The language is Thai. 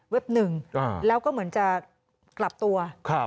เว็บหนึ่งอ่าแล้วก็เหมือนจะกลับตัวครับ